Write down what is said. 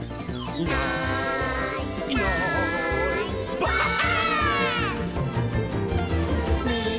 「いないいないばあっ！」